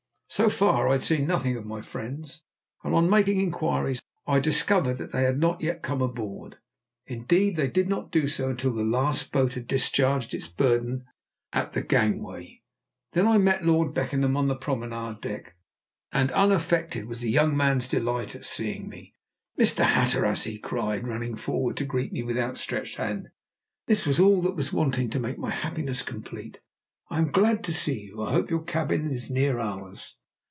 So far I had seen nothing of my friends, and, on making inquiries, I discovered that they had not yet come aboard. Indeed, they did not do so until the last boat had discharged its burden at the gangway. Then I met Lord Beckenham on the promenade deck, and unaffected was the young man's delight at seeing me. "Mr. Hatteras," he cried, running forward to greet me with out stretched hand, "this was all that was wanting to make my happiness complete. I am glad to see you. I hope your cabin is near ours."